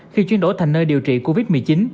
khi chuyển đổi thành nơi điều trị covid một mươi chín